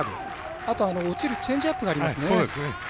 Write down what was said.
あと、落ちるチェンジアップがありますね。